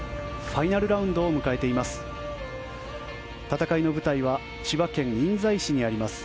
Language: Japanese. ファイナルラウンドを迎えています。